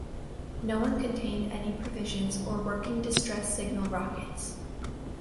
None contained any provisions or working distress signal rockets.